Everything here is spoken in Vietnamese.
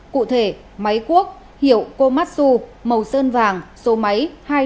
cụ thể máy cuốc hiệu komatsu màu sơn vàng số máy hai nghìn ba trăm linh sáu